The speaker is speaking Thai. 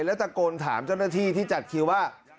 แล้วตะโกนถามเจ้าหน้าที่ที่จัดคิวว่า